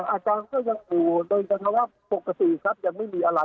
อาการยังดูโดยก็จะว่าปกติยังไม่มีอะไร